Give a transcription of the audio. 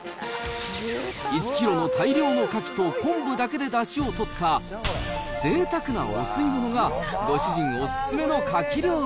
１キロの大量のカキと昆布だけでだしをとったぜいたくなお吸い物が、ご主人お勧めのカキ料理。